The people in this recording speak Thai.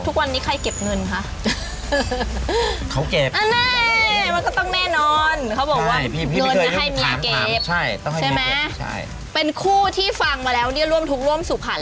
ทุกวันนี้ใครเก็บเงินคะ